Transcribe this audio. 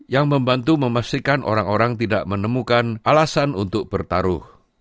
yang membantu memastikan orang orang tidak menemukan alasan untuk bertaruh